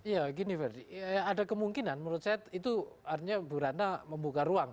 ya gini ferdi ada kemungkinan menurut saya itu artinya bu ratna membuka ruang